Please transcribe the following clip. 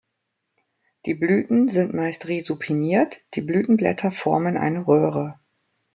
Die Blüten sind meist resupiniert, die Blütenblätter formen eine Röhre.